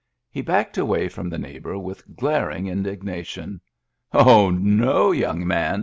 He backed away from the neighbor with glaring indignation. " Ho, no, young man